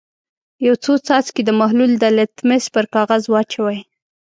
یو څو څاڅکي د محلول د لتمس پر کاغذ واچوئ.